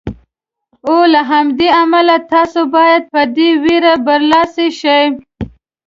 او له همدې امله تاسې باید په دې وېرې برلاسي شئ.